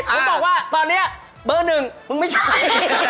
ผมบอกว่าตอนนี้เบอร์๑มึงไม่ใช่